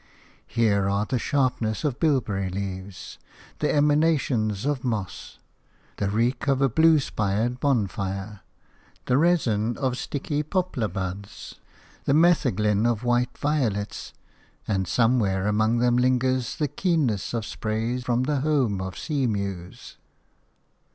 Here are the sharpness of bilberry leaves, the emanation of moss, the reek of a blue spired bonfire, the resin of sticky poplar buds, the metheglin of white violets, and somewhere among them lingers the keenness of spray from the home of sea mews.